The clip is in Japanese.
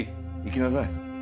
行きなさい。